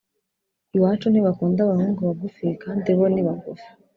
Iwacu ntibakunda abahungu bagufi kandi bo nibagufi